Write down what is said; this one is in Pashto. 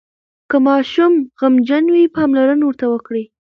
که ماشوم غمجن وي، پاملرنه ورته وکړئ.